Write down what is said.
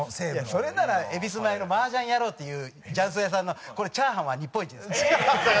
それなら恵比寿前の麻雀野郎っていう雀荘屋さんのチャーハンは日本一ですから。